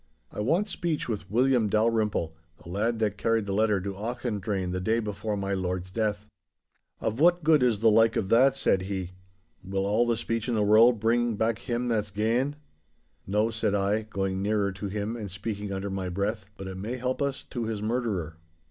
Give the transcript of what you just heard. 'I want speech with William Dalrymple, the lad that carried the letter to Auchendrayne the day before my lord's death.' 'Of what good is the like of that?' said he. 'Will all the speech in the world bring back him that's gane?' 'No,' said I, going nearer to him and speaking under my breath, 'but it may help us to his murderer.